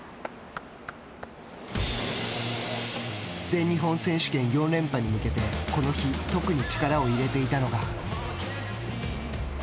全日本選手権４連覇に向けてこの日特に力を入れていたのが。